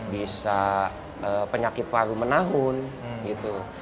bisa penyakit paru menahun gitu